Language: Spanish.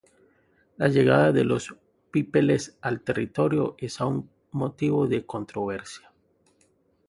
La llegada de los pipiles al territorio es aún motivo de controversia.